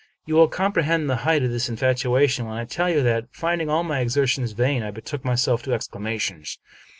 You will comprehend the height of this infatuation, when I tell you that, finding all my exertions vain, I betook myself to exclamations.